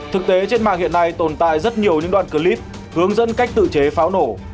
thực tế trên mạng hiện nay tồn tại rất nhiều những đoạn clip hướng dẫn cách tự chế pháo nổ